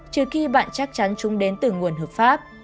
trừ khi bạn chắc chắn chúng đến từ nguồn hợp pháp